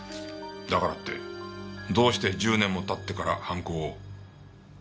だからってどうして１０年も経ってから犯行を？